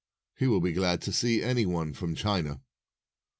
He will be glad to see any one from China."